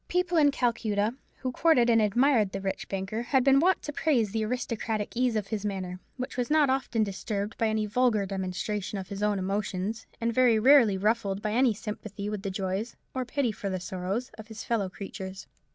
People in Calcutta, who courted and admired the rich banker, had been wont to praise the aristocratic ease of his manner, which was not often disturbed by any vulgar demonstration of his own emotions, and very rarely ruffled by any sympathy with the joys, or pity for the sorrows, of his fellow creatures.